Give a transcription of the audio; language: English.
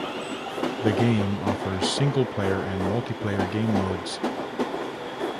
The game offers single-player and multiplayer game modes.